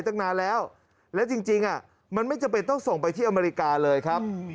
ตั้งนานแล้วและจริงมันไม่จำเป็นต้องส่งไปที่อเมริกาเลยครับ